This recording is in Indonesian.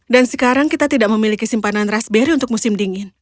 dan sekarang kita tidak memiliki simpanan raspberry untuk musim dingin